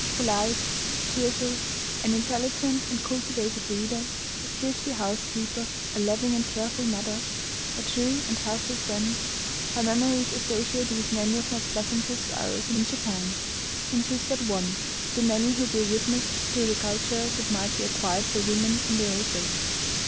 Polite, cheerful, an intelligent and cultivated reader, a thrifty housekeeper, a loving and careful mother, a true and helpful friend, her memory is associated with many of my pleasantest hours in Japan, and she is but one of the many who bear witness to the culture that might be acquired by women in the old days.